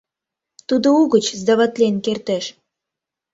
— Тудо угыч сдаватлен кертеш.